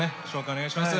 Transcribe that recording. お願いします。